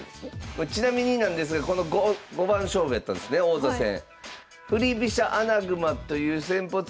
これちなみになんですが五番勝負やったんですね王座戦。